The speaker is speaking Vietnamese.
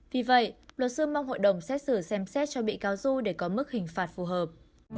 vì vậy luật sư mong hội đồng xét xử xem xét cho bị cáo du để có mức hình phạt phù hợp